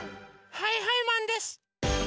はいはいマンです！